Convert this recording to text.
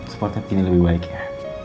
seperti ini lebih baik ya